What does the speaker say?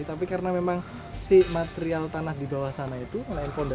tapi karena memang si material tanah di bawah sana itu mengenai fondasi turun dia